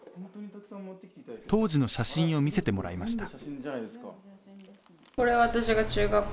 当時の写真を見せてもらいました。